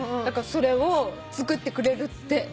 だからそれを作ってくれるって。